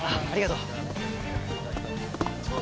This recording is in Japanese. ありがとう。